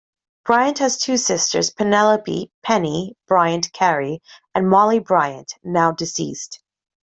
Bryant has two sisters, Penelope "Penny" Bryant Carey, and Molly Bryant, now deceased.